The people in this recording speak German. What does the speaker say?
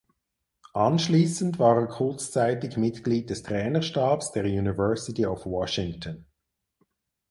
Anschließend war er kurzzeitig Mitglied des Trainerstabs der University of Washington.